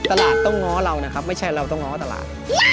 ตลาดต้องง้อเรานะครับไม่ใช่เราต้องง้อตลาด